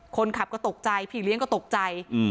คนขับก็ตกใจพี่เลี้ยงก็ตกใจ